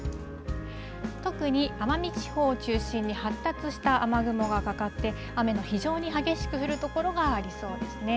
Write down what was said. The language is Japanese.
特に奄美地方を中心に発達した雨雲がかかって、雨の非常に激しく降る所がありそうですね。